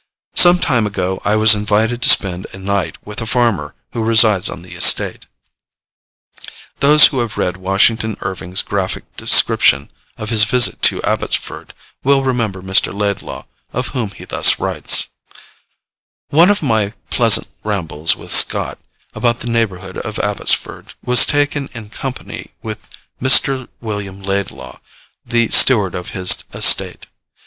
Some time ago I was invited to spend a night with a farmer who resides on the estate. Those who have read Washington Irving's graphic description of his visit to Abbotsford, will remember Mr. Laidlaw, of whom he thus writes: 'One of my pleasant rambles with Scott, about the neighborhood of Abbotsford, was taken in company with Mr. William Laidlaw, the steward of his estate.